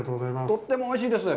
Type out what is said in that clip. とってもおいしいです。